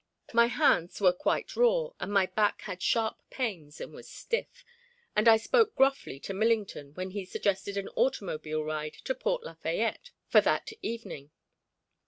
My hands were quite raw, and my back had sharp pains and was stiff, and I spoke gruffly to Millington when he suggested an automobile ride to Port Lafayette for that evening.